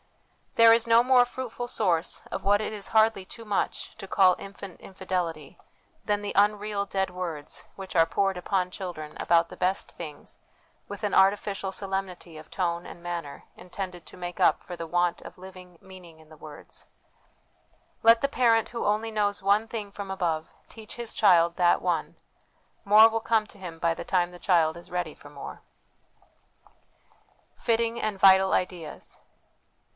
There is no more fruitful source of what it is hardly too much to call infant infidelity than the unreal dead words which are THE WILL CONSCIENCE DIVINE LIFE 347 poured upon children about the best things, with an artificial solemnity of tone and manner intended to make up for the want of living meaning in the words. Let the parent who only knows one thing from above teach his child that one ; more will come to him by the time the child is ready for more. Fitting and Vital Ideas.